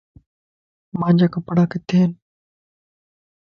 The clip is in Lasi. مانجا ڪپڙا ڪٿي ائين